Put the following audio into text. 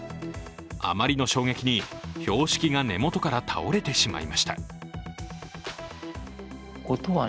あまりの衝撃に、標識が根元から倒れてしまいました。